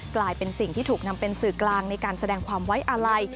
กลายเป็นสิ่งที่ถูกนำเป็นสื่อกลางในการแสดงความไว้อาลัย